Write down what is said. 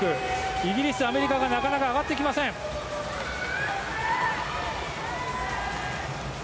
イギリス、アメリカなかなか上がってこない。